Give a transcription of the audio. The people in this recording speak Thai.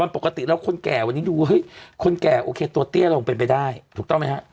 ปกติแล้วคนแก่วันนี้ดูเฮ้ยคนแก่โอเคตัวเตี้ยลงเป็นไปได้ถูกต้องไหมฮะ